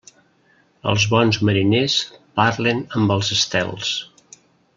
Els bons mariners parlen amb els estels.